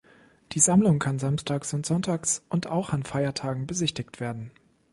Die Sammlung kann samstags und sonntags und auch an Feiertagen besichtigt werden.